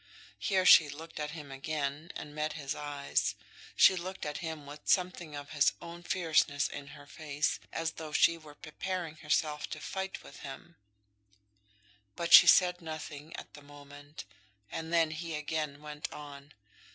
Here she looked at him again, and met his eyes. She looked at him with something of his own fierceness in her face, as though she were preparing herself to fight with him; but she said nothing at the moment, and then he again went on.